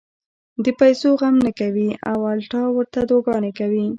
د پېسو غم نۀ کوي او الټا ورته دعاګانې هم کوي -